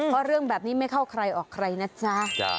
เพราะเรื่องแบบนี้ไม่เข้าใครออกใครนะจ๊ะ